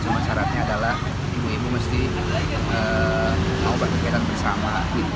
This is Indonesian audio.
cuma syaratnya adalah ibu ibu mesti mau berkegiatan bersama